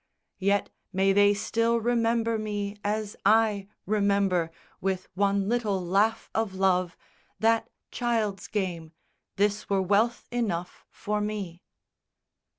Yet may they still remember me as I Remember, with one little laugh of love, That child's game, this were wealth enough for me.